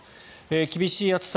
厳しい暑さ